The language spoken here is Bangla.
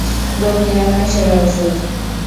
রোগ নিরাময়ের সেরা ঔষধ।